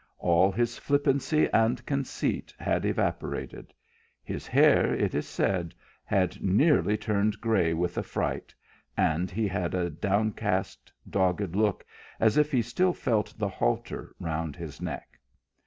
All his flippancy and conceit had evaporated ; his hair, it is said, had nearly turned gray with affright, and he had a downcast, dogged look, as if he still felt the halter round his neck.